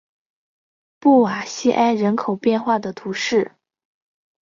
布瓦西埃人口变化图示